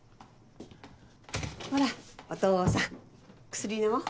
ほらお父さん薬飲もう。